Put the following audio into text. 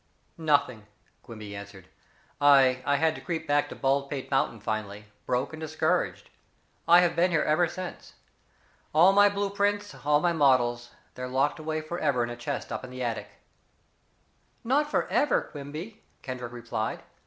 "Nothing," Quimby answered. "I I had to creep back to Baldpate Mountain finally broke and discouraged. I have been here ever since. All my blue prints, all my models they're locked away forever in a chest up in the attic." "Not forever, Quimby," Kendrick replied.